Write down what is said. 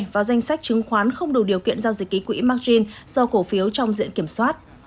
vào danh sách chứng khoán không đủ điều kiện giao dịch ký quỹ margin do cổ phiếu trong diện kiểm soát